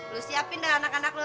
lu siapin dah anak anak lu